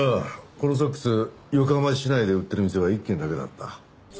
このソックス横浜市内で売ってる店は１軒だけだった。